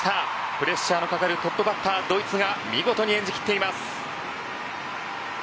プレッシャーのかかるトップバッター、ドイツが見事に演じ切っています。